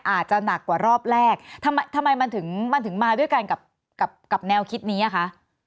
อาจจะหนักกว่ารอบแรกทำไมมันถึงมันถึงมาด้วยกันกับแนวคิดนี้อ่ะคะ